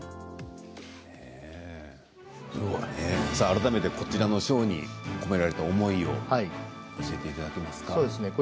改めてこのショーに込められた思いを教えていただけますか。